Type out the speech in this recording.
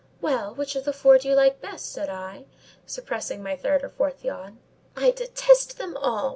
"Well, which of the four do you like best?" said I, suppressing my third or fourth yawn. "I detest them all!"